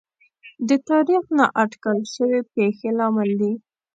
د تاریخ نااټکل شوې پېښې لامل دي.